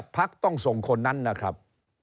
พักต้องส่งคนนั้นนะครับ